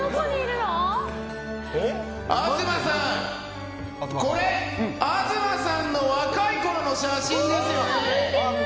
東さん、これ東さんの若いころの写真ですよね？